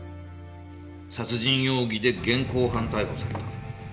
殺人容疑で現行犯逮捕された。